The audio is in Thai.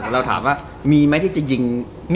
เราถามว่ามีไหมที่จะยิง